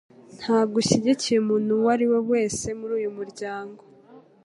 Ntabwo ushyigikiye umuntu uwo ari we wese muri uyu muryango?